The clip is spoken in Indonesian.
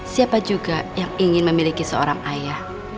siapa juga yang ingin memiliki seorang ayah